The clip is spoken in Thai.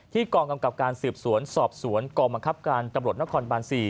กองกำกับการสืบสวนสอบสวนกองบังคับการตำรวจนครบาน๔